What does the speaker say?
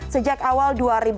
sejak awal dua ribu dua puluh